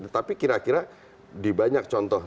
tetapi kira kira di banyak contoh